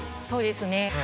そうですね。